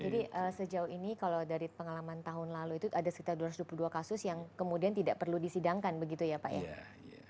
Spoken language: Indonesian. jadi sejauh ini kalau dari pengalaman tahun lalu itu ada sekitar dua ratus dua puluh dua kasus yang kemudian tidak perlu disidangkan begitu ya pak ya